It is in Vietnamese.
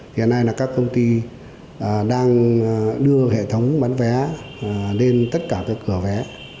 hiện nay là các công ty đang đưa hệ thống bán vé lên tất cả các cửa vé